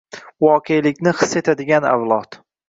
Voqelikni his etadigan avlod